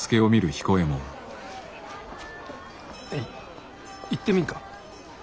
いいってみんか？